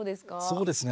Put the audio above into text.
そうですね